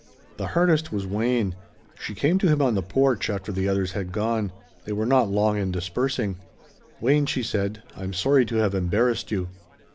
The hardest was Wayne. She came to him on the porch after the others had gone they were not long in dispersing. "Wayne," she said, "I'm sorry to have embarrassed you."